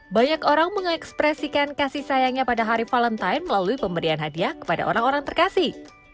banyak orang mengekspresikan kasih sayangnya pada hari valentine melalui pemberian hadiah kepada orang orang terkasih